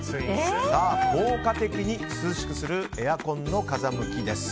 さあ、効果的に涼しくするエアコンの風向きです。